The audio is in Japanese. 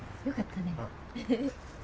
よかったね。